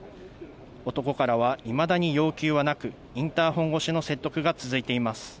男からはいまだに要求はなく、インターホン越しの説得が続いています。